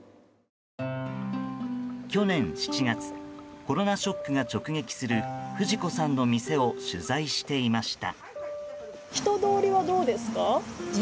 去年７月コロナショックが直撃する不二子さんの店を取材していました。